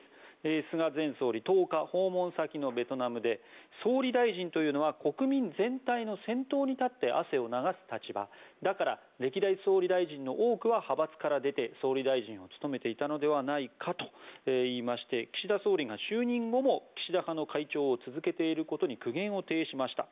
菅前総理１０日、訪問先のベトナムで総理大臣というのは国民全体の先頭に立って汗を流す立場だから、歴代総理大臣の多くは派閥から出て総理大臣を務めていたのではないかといいまして岸田総理が就任後も岸田派の会長を務めていることに対して苦言を呈しました。